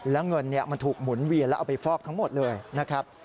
แล้วเงินมันถูกหมุนเวียนแล้วเอาไปฟอกทั้งหมดเลยนะครับ